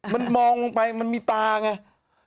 มันมองลงไปมันมีตาไง